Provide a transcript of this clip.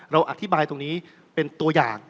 อธิบายตรงนี้เป็นตัวอย่าง